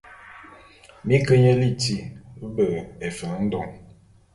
Mi ke nye liti be Efen-Ndon.